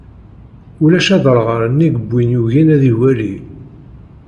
Ulac aderɣal nnig n win yugin ad iwali.